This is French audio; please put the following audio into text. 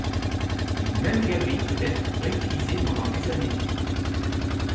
Une même galerie peut être réutilisée durant des années.